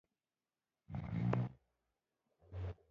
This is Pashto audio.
سېرېنا له ډېره قهره لکه مار پشېدله.